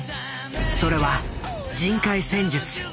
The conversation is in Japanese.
それは人海戦術。